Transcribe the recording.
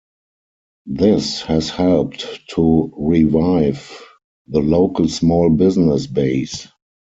This has helped to revive the local small business base.